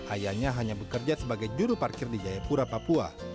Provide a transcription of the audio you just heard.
ayahnya hanya bekerja sebagai juru parkir di jayapura papua